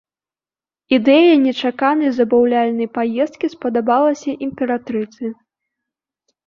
Ідэя нечаканай забаўляльнай паездкі спадабалася імператрыцы.